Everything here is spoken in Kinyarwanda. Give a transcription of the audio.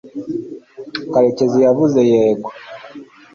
karekezi yavuze yego